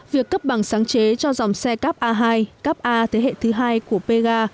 việc cấp bằng sáng chế cho dòng xe cắp a hai cắp a thế hệ thứ hai của pega